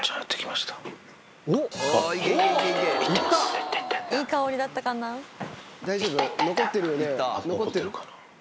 まだ残ってるかな？